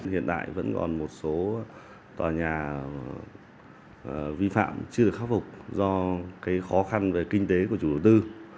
hiện tại vẫn còn một số tòa nhà vi phạm chưa được khắc phục do khó khăn về kinh tế của chủ đầu tư